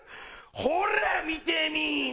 ほら見てみいな！